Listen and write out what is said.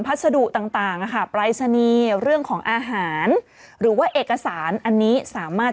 พัสดุต่างหรือหรือว่าเอกสารอาหารอันนี้สามารถ